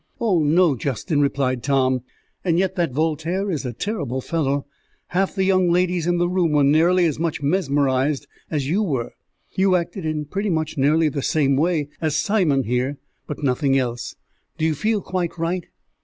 "Oh no, Justin," replied Tom. "And yet that Voltaire is a terrible fellow. Half the young ladies in the room were nearly as much mesmerized as you were. You acted in pretty nearly the same way as Simon here, but nothing else. Do you feel quite right?"